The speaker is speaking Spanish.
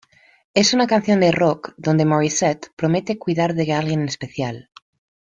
Es una canción de rock, donde Morissette promete cuidar de alguien especial.